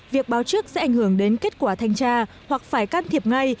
việc báo trước sẽ ảnh hưởng đến kết quả thanh tra hoặc phải can thiệp ngay